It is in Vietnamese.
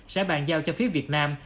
sẽ bàn giao cho phía việt nam